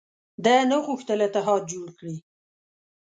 ده نه غوښتل اتحاد جوړ کړي.